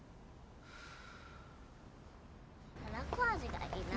たらこ味がいいな。